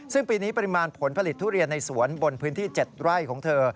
ซึ่งปีนี้ปริมาณผลผลิตทุเรียนในสวนบนพื้นที่๗ไร่ของเธอ